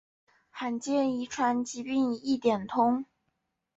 罕见遗传疾病一点通